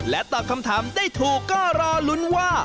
ตอบคำถามได้ถูกก็รอลุ้นว่า